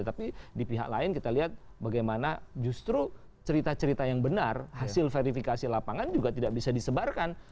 tapi di pihak lain kita lihat bagaimana justru cerita cerita yang benar hasil verifikasi lapangan juga tidak bisa disebarkan